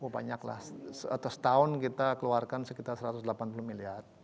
banyak lah setahun kita keluarkan sekitar rp satu ratus delapan puluh miliar